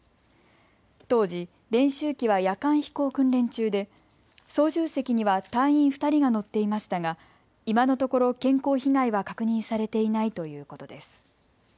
当時、練習機は夜間飛行訓練中で操縦席には隊員２人が乗っていましたが今のところ健康被害は確認されていないということです。